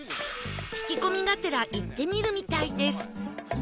聞き込みがてら行ってみるみたいです